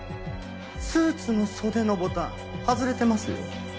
スーツの袖のボタン外れてますよ。